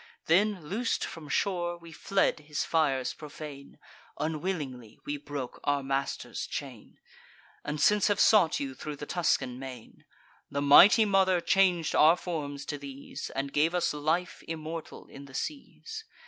Then, loos'd from shore, we fled his fires profane (Unwillingly we broke our master's chain), And since have sought you thro' the Tuscan main. The mighty Mother chang'd our forms to these, And gave us life immortal in the seas.